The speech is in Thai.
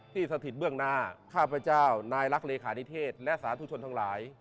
สถิตเบื้องหน้าข้าพเจ้านายรักเลขานิเทศและสาธุชนทั้งหลาย